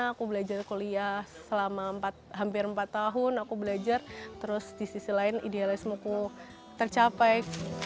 aku belajar kuliah selama hampir empat tahun aku belajar terus di sisi lain idealisme aku tercapai